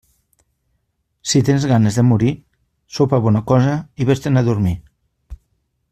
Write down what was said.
Si tens ganes de morir, sopa bona cosa i vés-te'n a dormir.